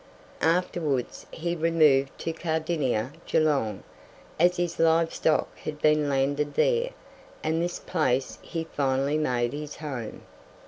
Afterwards he removed to Kardinia, Geelong, as his live stock had been landed there, and this place he finally made his home.